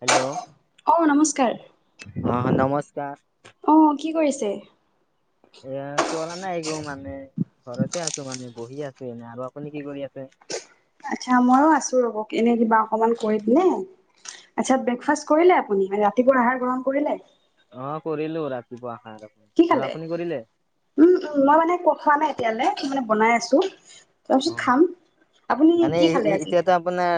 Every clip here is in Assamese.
হেল্ল' অ নমস্কাৰ অ নমস্কাৰ আহ কি কৰিছে এ কৰা নাই এক একো মানে ঘৰতে আছো মানে বহি আছো এনে আৰু আপুনি কি কৰি আছে [unintelligible] আচ্ছা মইও আছো ৰব এনে কিবা অকমান কৰিম নে আচ্ছা ব্ৰেকফাষ্ট কৰিলে আপুনি ৰাতিপুৱা আহাৰ গ্ৰহণ কৰিলে অ কৰিলো ৰাতিপুৱা সাৰ কি আৰু খালে আপুনি কৰিলে? উম উম মই মানে ক খোৱা নাই এতিয়ালৈ ম মানে বনাই আছো তাৰপিছত অ' খাম আপুনি মানে কি খালে আজি এতিয়াতো আপোনাৰ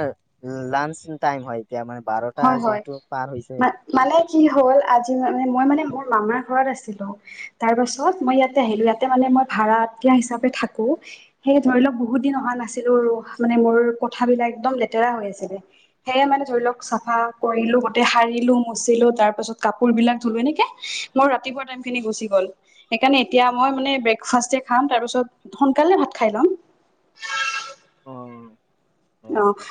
লাঞ্চ টাইম হয় এতিয়া মানে বাৰটা হয় হয় যিহেতু পাৰ হৈছে। ম মানে কি হ'ল আজি মই মানে মোৰ মামাৰ ঘৰত আছিলো তাৰ পাছত মই ইয়াতে আহিলো ইয়াতে মানে মই ভাাৰা [unintelligible] হিচাপে থাকো সেই ধৰি লওক বহুত দিন অহা নাছিলো মানে মোৰ কথাবিলাক একদম লেতেৰা [unintelligible] হৈ আছিলে, সেয়ে মানে ধৰি লওক কৰিলো গোতেই সাৰিলো মচিলো তাৰ পাছত কাপোৰবিলাক ধুলো এনেকে মই ৰাতিপুৱা টাইম খিনি [unintelligible] গুচি গল সেইকাৰণে এতিয়া মই মানে ব্ৰেকফাষ্ট এ খাম তাৰপিছত সোনকালে ভাত খাই ল'ম। [inaudible] অ' হয়। অঁ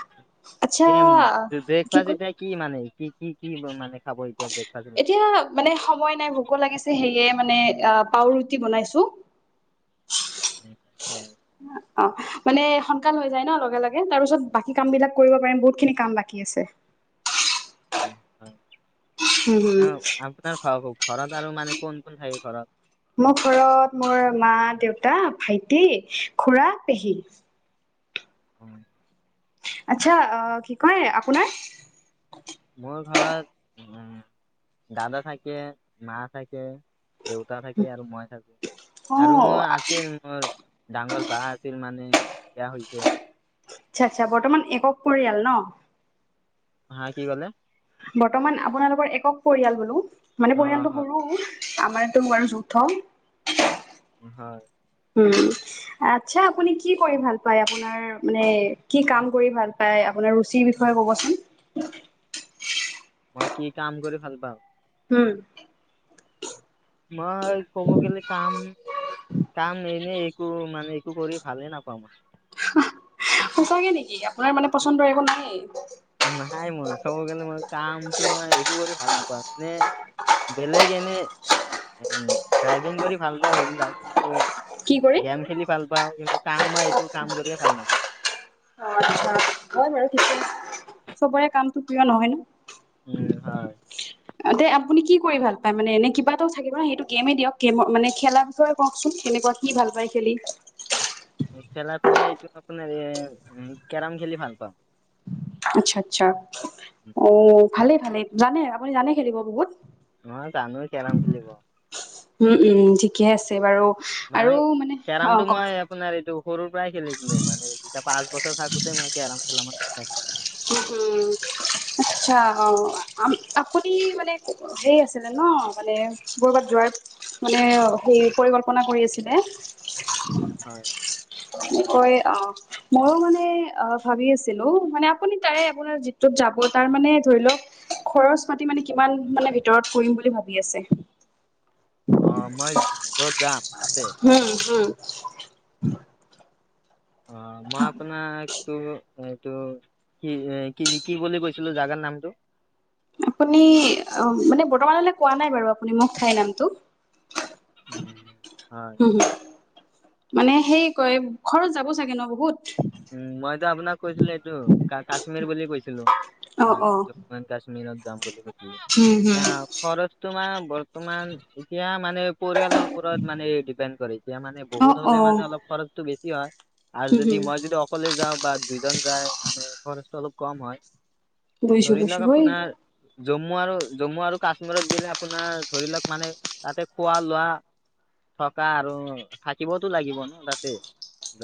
এতিয়া ব্ৰেকফাষ্ট এতিয়া কি মানে, কি কি কি মানে খাব এতিয়া ব্ৰেকফাষ্ট মানে? এতিয়া মানে সময় নাই ভোকো লাগিছে সেয়ে, মানে পাওৰুটি বনাইছোঁ [inaudible] হয়। অ, মানে সোনকাল হৈ যায় ন লগে লগে তাৰপিছত বাকী কাম বিলাক কৰিব পাৰিম বহুত খিনি কাম বাকী আছে। [inaudible] [inaudible] উ হয় হুম হুম আপোনাৰ খোৱা কওক? ঘৰত আৰু মানে কোন কোন থাকে ঘৰত? মোৰ ঘৰত মোৰ মা-দেউতা, ভাইটি, খুৰা, পেহী। হম। আচ্ছা, অ কি কয় আপোনাৰ মোৰ ঘৰত, উম দাদা থাকে মা থাকে। দেউতা থাকে আৰু মই থাকো। অ আৰু মোৰ আছিল মোৰ ডাঙৰ বা আছিল মানে বিয়া হৈছে। আচ্ছা আচ্ছা বৰ্তমান একক পৰিয়াল ন। হা কি কলে? বৰ্তমান আপোনালোকৰ একক পৰিয়াল বোলো, মানে অ' পৰিয়ালটো হয়, সৰু। আমাৰ তো বৰ যুথৌ। হয়। উম। আচ্ছা আপুনি কি কৰি ভাল পায় আপোনাৰ মানে কি কাম কৰি ভাল পায় আপোনাৰ ৰুচিৰ বিষয়ে কোনোবাই কবচোন মই কি কাম কৰি ভাল পাওঁ উম মই ক'ব গেলে কাম কাম এনেই একো মানে একো কৰি ভালেই নাপাওঁ মই সঁচাকে নেকি আপোনাৰ মানে পচন্দৰ একো নাই? নাই মোৰ ক'ব গ'লে মই কামটো মই একো কৰি ভাল নাপাওঁ নে বেলেগ এনেই ড্ৰাইভিং কৰি ভাল পাওঁ সেইবিলাক কিন্তু কি কৰি? গেম খেলি ভাল পাওঁ কিন্তু কাম মই একো কাম কৰিয়েই ভাল নাপাওঁ। অঁ আচ্ছা হয় বাৰু ঠিকে আছে চবৰে কামটো প্ৰিয় নহয় ন। উম হয় [inaudible] এনে আপুনি কি কৰি ভাল পায় মানে এনে কিবাটো থাকিব ন সেইটো গেমেই দিয়ক গেম মানে খেলাৰ বিষয়ে কওকচোন? [unintelligible] কি ভাল পাই খেলি? খেলাত মই এইটো আপোনাৰ এ কেৰম খেলি ভাল পাওঁ [inaudible] আচ্ছা আচ্ছা, অঁ ভালে ভালে জানে আপুনি জানে খেলিব বহুত? মই জানো কেৰাম খেলিব। উমউম ঠিকে আছে বাৰু মানে আৰু মান- কেৰমটো মই আপোনাৰ এইটো সৰুৰ পৰাই খেলিছিলো, মানে পাঁচ বছৰ থাকোঁতে মই কেৰম খেলা মানুহ। [unintelligible] আচ্ছা, অ আপুনি মানে হে আছিলে ন মানে ক'ৰবাত যোৱাৰ মানে হেৰি পৰিকল্পনা কৰি আছিলে। হয়। হয় অ মইয়ো মানে অ ভাবি আছিলো মানে আপ- আপুনি তাৰে আপোনাৰ যিটোত যাব তাৰ মানে ধৰি লওক খৰচ পাতি মানে কিমান মানে ভিতৰত কৰিম বুলি ভাবি আছে। অ মই য'ত যাম তাতে উম হুম অ মই আপোনাক তো এইটো কি এ কি কি বুলি কৈছিলো জাগাৰ নামটো আপুনি অহ বৰ্তমানলৈকে কোৱা নাই বাৰু আপুনি মোক ঠাইৰ নামটো উম হয় হম হম মানে সেই কয় ঘৰত যাব চাগে ন বহুত উম মইতো আপোনাক কৈছিলো এইটো কাশ্মীৰ বুলি কৈছিলোঁ অ অ জম্মু এণ্ কাশ্মীৰত যাম বুলি কি হম এ হম খৰচ তোমাৰ বৰ্তমান এতিয়া মানে পৰিয়ালৰ ওপৰত মানে ডিপেণ্ড কৰিব এতিয়া মানে অ বহুত অ হ'লে মানে অলপ খৰচটো বেছি হয় আৰু হম যদি হম মই যদি অকলে যাওঁ বা দুইজন যায় মানে খৰচ অলপ কম হয় গৈছো ধৰি গৈছো লওক হয়েই আপোনাৰ জম্মু আৰু জম্মু আৰু কাশ্মীৰত গেলে আপোনাৰ ধৰি লওক মানে তাতে খোৱা লোৱা থকা আৰু থাকিবতো লাগিব ন তাতে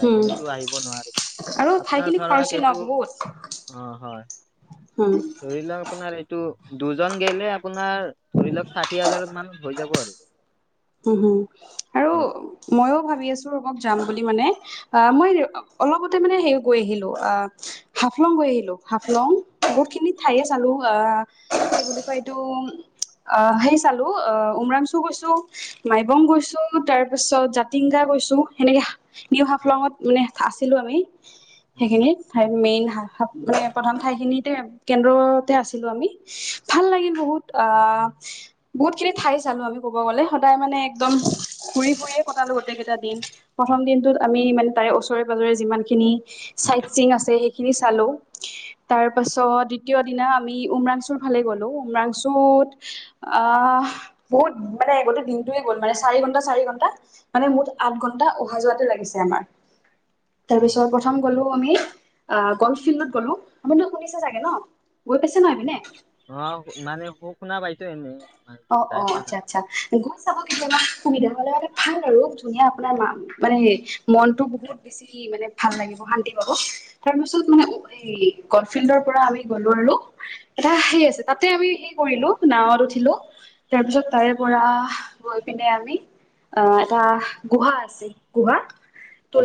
যাই উম কিনেতো আহিব নোৱাৰি আৰু আপোনাৰ ঠাইখিনি ধৰক খৰচী ন এইটো বহুত অ হয় উম ধৰি লওক আপোনাৰ এইটো দুজন গেলে আপোনাৰ ধৰি লওক ষাঠি হাজাৰত মানত হৈ যাব আৰু উম হুম আৰু ময়ো ভাবি আছো বৰ যাম বুলি মানে অ মই অলপতে মানে সেই গৈ আহিলো আহ হাফলং গৈ আহিলোঁ হাফলং বহুতখিনি ঠাইয়ে চালোঁ আহ সেইটো অ সেই চালো অ উওমৰাম চু গৈছো মাইবং গৈছো তাৰ পিছত জাতিংগা গৈছো সেনেকে নিউ হাফলঙত মানে আছিলো আমি উম সেইখিনিত মেইন মানে প্ৰথম ঠাইখিনিত কেন্দ্ৰতে আছিলো আমি ভাল লাগিল বহুত আ বহুত খিনি ঠাই- চালো আমি কব গলে- সদায় মানে একদম ঘূৰি ফুৰিয়ে কটালো গোটেকেইটা দিন প্ৰথম দিনটোত আমি মানে তাৰে। ওচৰে পাজৰে যিমান খিনি চাইট চিং আছে সেইখিনি চালো। তাৰ পাছত দ্বিতীয় দিনা আমি উমৰাংচুৰ ফালে গলো উমৰাংচুত আ অ বহুত মানে। দিনটোয়ে গ'ল মানে চাৰি ঘন্টা চাৰি ঘণ্টা মানে মুঠ আঠ ঘণ্টা অহা যোৱাতে লাগিছে আমাৰ তাৰ অ পিছত প্ৰথম গলো আমি অ গল্ফ ফিল্ডত গলো আমি শুনিছে চাগে ন গৈ পাইছে ন এইপিনে? অ মানে শু শুনা পাইছো এনেই মানে অ অ যাই পোৱা আচ্ছা নাই আচ্ছা গৈ চাব কেতিয়াবা সুবিধা হলে আৰু ভাল আৰু ধুনীয়া আপোনাৰ মা মানে মনটো বহুত বেছি মানে ভাল লাগিব শান্তি পাব তাৰ পিছত মানে এই গল্ফ ফিল্ডৰ পৰা আমি গলো আৰু এটা সেই আছে তাতে আমি কৰিলো নাৱত উঠিলো তাৰ পিছত তাৰে পৰা গৈ পিনে আমি অ এটা গুহা আছে গুহা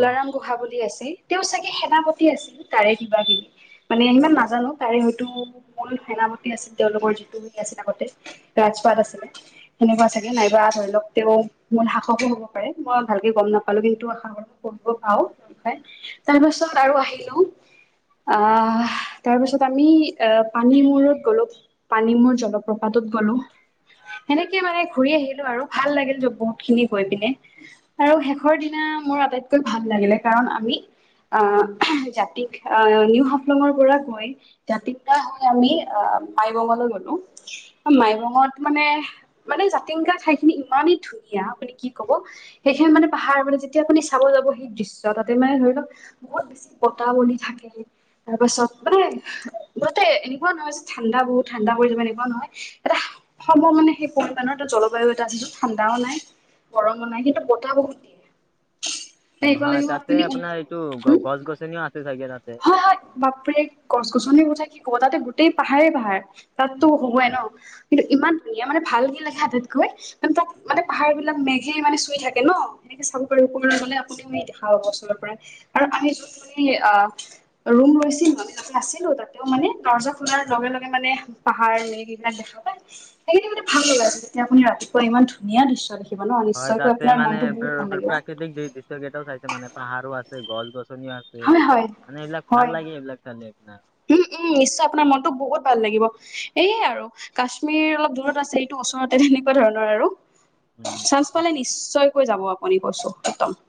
অ গুহা বুলি আছে তেওঁ চাগে সেনাপতি আছিল তাৰে কিবা কিবি মানে সিমান নাজানো তাৰে হয়তো মূল সেনাপতি আছিল তেওঁলোকৰ যিটো আছিলে আগতে ৰাজপাত আছিলে সেনেকুৱা চাগে নাইবা ধৰি লওক তেওঁ মূল সাহসো হ'ব পাৰে মই ভালকে গম নাপাওঁ নাপালো কিন্তু আশা কৰো কৰিব পাও খাই তাৰপাছত আৰু আহিলো আহ তাৰ পিছত আমি পানী মূৰত গলো পানী মূৰ জলপ্ৰপাত গ'লো সেনেকে মানে ঘুৰি আহিলো আৰু ভাল লাগিল বহুত খিনি গৈ পিনে আৰু শেষৰ দিনা মই আটাইতকৈ ভাল লাগিলে কাৰণ আমি আহ জাতিক আহ নিউ হাফলঙৰ পৰা গৈ জাতিক হৈ আমি আহ মাইঙলে গলো মাইঙত মানে মানে জাতিংগা ঠাই খিনি ইমানেই ধুনীয়া আপুনি কি ক'ব সেইখিন মানে পাহাৰ যেতিয়া আপুনি চাব যাব সেই দৃশ্য তাতে মানে ধৰি লওক বহুত বেছি বতাহ বলি থাকে- তাৰ পাছত মানে গোটেই এনেকুৱা নহয় যে ঠাণ্ডা বহুত ঠাণ্ডা পৰিলে এনেকুৱা নহয় এটা- হবৰ মানে সেই পৰিাণৰ জলবায়ু এটা আছে যত ঠাণ্ডাও নাই- গৰমো নাই কিন্তু বতাহ বহুত দিয়ে। উ এনেকুৱা হয় লাগিব তাতে আপুনি উৰি আপোনাৰ যাব এইটো গ হম গছ গছনিও আছে চাগে তাত- হয় হয় বাপৰে গছ গছনিৰ কথা কি কব তাতে গোটেই পাহাৰে পাহাৰ- তাত টো উম, হবই ন- কিন্তু ইমান ধুনীয়া মানে ভাল কি লাগে আটাইতকৈ তাত মানে পাহাৰ বিলাক মেঘে মানে চুই থাকে। ন এনেকে চাব পাৰী ও গলে আপুনিও সেই দেখা পাব ওচৰ পৰা আৰু আমি যোনখিনি আহ- ৰুম লৈছিলো আমি তাতে আছিলো তাতেও মানে দৰ্জা খোলাৰ লগে লগে মানে পাহাৰে। সেইবিলাক দেখা পাই সেইখিনি মানে ভাল লগা আছে যেতিয়া আপুনি ৰাতিপুৱা ইমান ধুনীয়া দৃশ্য দেখে হয় তাতে মানে প্ৰা প্ৰাকৃতিক দৃ দৃশ্য কেইটাও চাইছে মানে পাহাৰো আছে গছ গছনি- আছে হয় হয় মানে এইবিলাক ভাল হয় লাগে এইবিলাক তাতে- উম উম নিশ্চয় আপোনাৰ মনটো বহুত ভাল লাগিব। এইয়ে আৰু কাশ্মীৰ অলপ দূৰত আছে এইটো ওচৰতে তেনেকুৱা ধৰণৰ আৰু- উম চানস হয় পালে নিশ্চয়কৈ যাব আপুনি কৈছো একদম-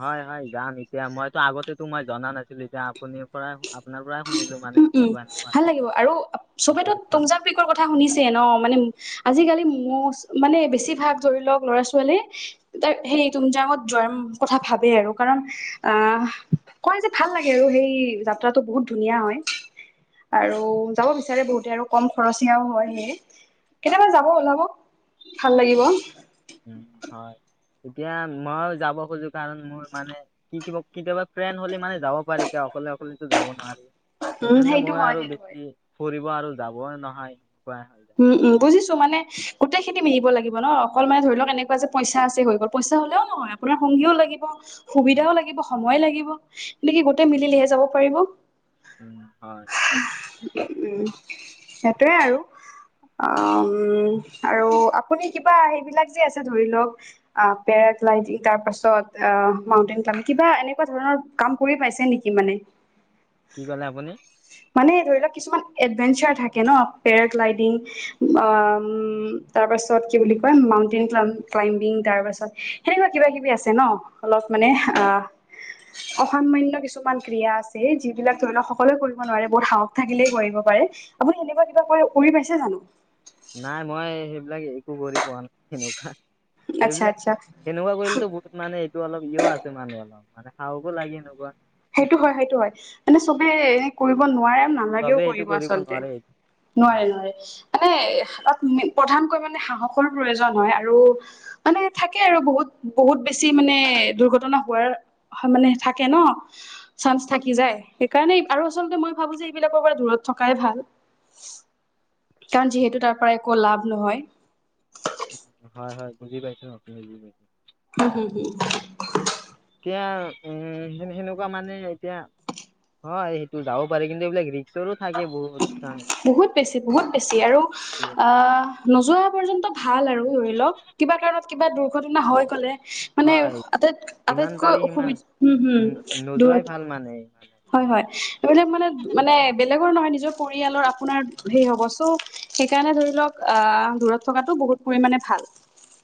হয় হয় যাম এতিয়া মইতো আগতেতো মই জনা নাছিলো এতিয়া আপুনি পৰাই। পৰা শুনিলো ইমান। উম উম ভাল লাগিব আৰু চবেতো এতিয়া যাম। টোংজাপিকৰ কথা শুনিছে ন মানে আজিকালি- মচ মানে বেছিভাগ ধৰি লওক ল'ৰা ছোৱালী তাৰ হেৰি টুংজাঙত যোৱাত কথা। ভাবে আৰু কাৰণ আহ কয় যে ভাল লাগে আৰু সেই যাত্ৰাটো বহুত ধুনীয়া হয় আৰু যাব বিচাৰে বহুতে আৰু কম খৰচীয়াও হয়। সেয়েহে কেতিয়াবা যাব ওলাব ভাল লাগিব। উম হয়। এতিয়া মইও যাব খোজো কাৰণ মোৰ মানে কি কে কেতিয়াবা ফ্ৰেণ্ড হলে মানে যাব। পাৰি এতিয়াও অকলে অকলেতো যাব নোৱাৰি উম সেইকাৰণে সেইটো মই হয় আৰু সেইটো হয় বেছি ফুৰিব আৰু যাবই নহয়। হৈ যায়। উম উম বুজিছো। মানে গোটেই খিনতি মিলিব লাগিব ন অকল মানে ধৰি লও এনেকুৱ যেইচ আছে হৈ গ'ল পইচা হলেও নহয় আপোনাৰ হ। হুবৈ লাগ উম, সুবিধাও লাগিব সময় লাগিব এনেকে গোটেই মিলিলেহে যাব পাৰিব। উম হয়। উম সেইটোৱে আৰু- অ আৰু আপুনি কিবা সেইবিলাক যে আছে ধৰি আ লওক পে- তাৰ পাছত মাউটেইন ক্লাম্ব কিবা এনেকুৱা ধৰণৰ কাম কৰি পাইছে নেকি মানে? কি ক'লে আপুনি? মানে ধৰি লওক কিছুমান এডভেঞ্চাৰ থাকে ন পেৰাগ্লাইডিং আ উম- তাৰ পাছত কি বুলি কয় মাউন্টেইন ক্লাম ক্লাইম্বিং তাৰ পাছত সেনেকুৱা কিবা কিবি আছে ন অলপ- মানে অ অসামান্য কিছুমান ক্ৰিয়া আছে যিবিলাক ধৰি লও সকলোৱে কৰিব- নোৱাৰে বহুত সাহস থাকিলেই কৰিব পাৰে আপুনি এনেকুৱা কিবা কৰি পাইছে জানো? নাই মই সেইবিলাক একো কৰি পোৱা নাই হেনুকা- আচ্ছা সেইবিলাক আচ্ছা সেনেকুৱা কৰিলেতো বহুত মানে- টো অলপ ইয় আছে মানে অলপ মানে সাহসো লাগে এনেকুৱা- সেইটো হয় সেইটো হয় মানে চবে এনে কৰিব নোৱাৰে- নালাগেও চবে এইটো কৰিব আচলতে নোৱাৰে। উম, নোৱাৰে নোৱাৰে মানে। মে প্ৰধানকৈ মানে সাহসৰ প্ৰয়োজন হয় আৰু মানে থাকে আৰু বহুত বহুত বেছি। ম মানে দুৰ্ঘটনা হোৱাৰ মানে থাকে। ন চাঞ্চ থাকি যায় সেইকাৰণে আৰু আচলতে মই ভাবো যে এইবিলাকৰ পৰা দূৰত থকাই ভাল। কাৰণ যিহেতু তাৰ পৰা একো লাভ নহয়। হয় হয় বুজি পাইছ আপুনি বুজ পাইছে। উম হুম হুম। এতিয়া উম সে সেনেকুৱা মানে এতিয়া হয় সেইটো যাব পাৰে কিন্তু এইবিলাক হেৰিক। বহুত বেছি বহুত বেছি আৰু আহ। নোযোৱা পৰ্যন্ত ভাল আৰু ধৰি লওক কিবা কাৰণত কিবা দুৰ্ঘটনা হৈ গলে। মানে আটাইত যিমান আটাইতকৈ পাৰি সিমান অসুবিধা উম হম ন- নোযোৱাই দূৰত। ভাল মানে হয় হয় এইবিলাক মানে মানে। বেলেগৰ নহয় নিজৰ পৰিয়ালৰ আপোনাৰ হেই হব চ' সেইকাৰণে ধৰি লওক আহ দূৰত থকাতো। বহুত পৰিমাণে ভাল।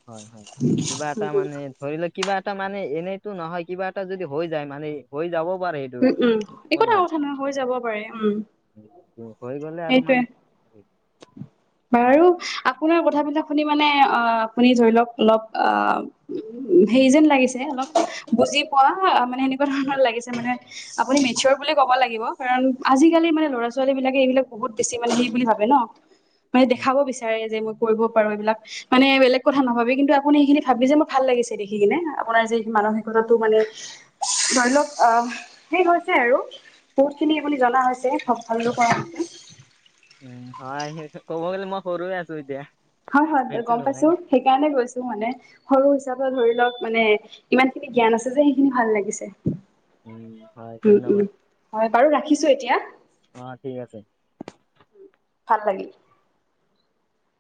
হয় হয় কিবা এটা মানে উম ধৰি লওক কিবা এটা। তা মানে এনেইতো নহয় কিবা এটা যদি হৈ যায় মানে হৈ যাব। পাৰে সেইটো উম মানে উম এইটো ক'ব একোটা নোৱাৰি কথা নহয় হৈ যাব পাৰে উম উম, সেইটো হৈ গ'লে আৰু সেইটোৱে। মানে উ [unintelligible] বাৰু আপোনাৰ কথাবিলাক শুনি মানে অ আপুনি ধৰি লওক অলপ আ। উ হেৰি যেন লাগিছে অলপ বুজি পোৱা মানে সেনেকুৱা ধৰণৰ লাগিছে মানে। আপুনি মেছিয়ৰ বুলি ক'ব লাগিব কাৰণ আজিকালি মানে লৰা ছোৱালী বিলাকে এইবিলাক বহুত বেছি মানে হেৰি বুলি ভাবে। ন মানে উম দেখাব বিচাৰে যে মোক। কৰিব পাৰো এইবিলাক মানে বেলেগ কথা নাভাবি কিন্তু আপুনি সেইখিনি ভাবি যে মোক ভাল লাগিছে দেখি কিনে আপোনাৰ যে। মানসিকতাটো মানে ধৰি লওক আহ। সেই হৈছে আৰু বহুত খিনি আপুনি জনা হৈছে সব ভালো কৰা। উম হয় সেই ক'ব গ'লে মই সৰুয়ে আছো এতিয়া। হয় হয় বেচাৰ গম হোৱাই পাইছো নাই সেইকাৰণে কৈছো মানে সৰু হিচাপে। ধৰি লওক মানে ইমান খিনি জ্ঞান আছে যে সেইখিনি ভাল লাগিছে। উম হয় উম উম ধন্যবাদ। হয় বাৰু ৰাখিছো এতিয়া। অ ঠিক আছে। ভাল লাগিল।